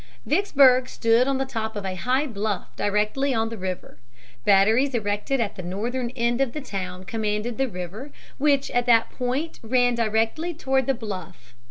Vicksburg stood on the top of a high bluff directly on the river. Batteries erected at the northern end of the town commanded the river, which at that point ran directly toward the bluff.